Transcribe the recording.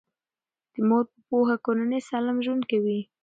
د مور په پوهه کورنۍ سالم ژوند کوي.